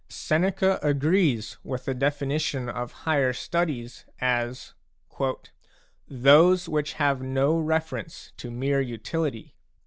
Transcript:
Seneca agrees with the definition of higher studies as " those which have no reference to mere utility."